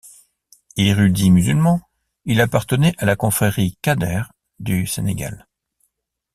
Érudit musulman, il appartenait à la confrérie qadr du Sénégal.